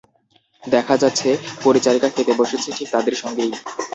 দেখা যাচ্ছে, পরিচারিকা খেতে বসেছে ঠিক তাঁদের সঙ্গেই।